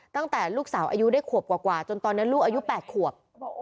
ตั้งแต่ลูกสาวอายุได้ขวบกว่าจนตอนนี้ลูกอายุ๘ขวบ